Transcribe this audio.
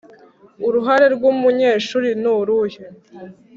uruhare rw’umunyeshuri nuruhe